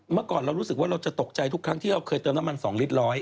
เมื่อก่อนเรารู้สึกว่าเราจะตกใจทุกครั้งที่เราเคยเติมน้ำมัน๒ลิตรร้อย